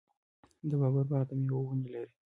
د بابر باغ د میوو ونې لري.